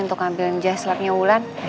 untuk ngambil jazz labnya ulan